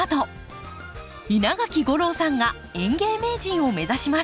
稲垣吾郎さんが園芸名人を目指します。